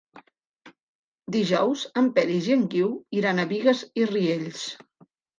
Dijous en Peris i en Guiu iran a Bigues i Riells.